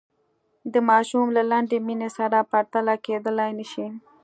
د ماشوم له لنډې مینې سره پرتله کېدلای نه شي.